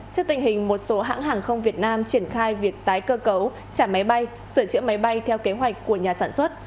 trước tình hình một số hãng hàng không việt nam triển khai việc tái cơ cấu trả máy bay sửa chữa máy bay theo kế hoạch của nhà sản xuất